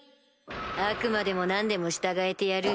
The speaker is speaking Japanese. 悪魔でも何でも従えてやる。